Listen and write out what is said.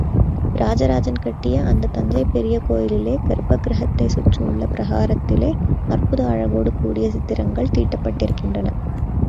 ராஜராஜன் கட்டிய அந்தத் தஞ்சைப் பெரிய கோயிலிலே கர்ப்பக்கிரகத்தைச் சுற்றியுள்ள பிரகாரத்திலே அற்புத அழகோடு கூடிய சித்திரங்கள் தீட்டப்பட்டிருக்கின்றன.